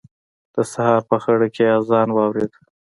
د سهار په خړه کې يې اذان واورېد.